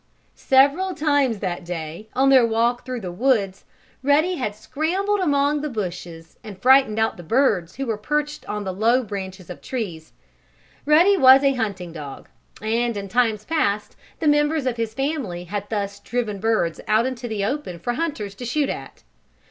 Several times that day, on their walk through the woods, Ruddy had scrambled among the bushes and frightened out birds who were perched on the low branches of trees. Ruddy was a hunting dog and, in times past, the members of his family had thus driven birds out into the open for hunters to shoot at.